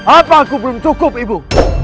apa aku belum cukup ibu